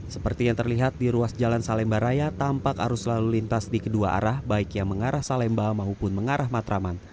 seperti yang terlihat di ruas jalan salemba raya tampak arus lalu lintas di kedua arah baik yang mengarah salemba maupun mengarah matraman